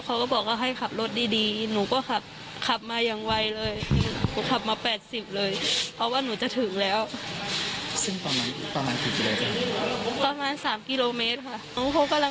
บอกว่าเช้าวันนี้ลูกเขยพาหลานไปขี่รถซื้อกับข้าว